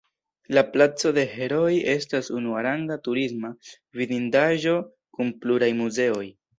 La Placo de Herooj estas unuaranga turisma vidindaĵo kun pluraj muzeoj.